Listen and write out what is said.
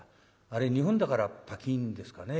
あれ日本だからパキンですかね。